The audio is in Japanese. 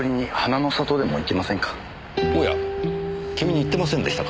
君に言ってませんでしたかね？